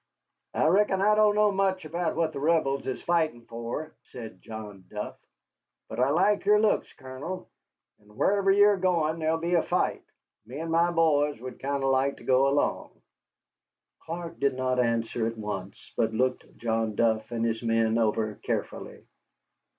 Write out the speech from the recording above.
"I reckon I don't know much about what the Rebels is fighting for," said John Duff; "but I like your looks, Colonel, and wharever you're going there'll be a fight. Me and my boys would kinder like to go along." Clark did not answer at once, but looked John Duff and his men over carefully.